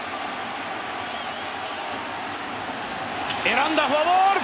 選んだ、フォアボール。